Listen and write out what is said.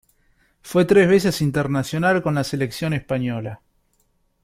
Fue tres veces internacional con la selección española.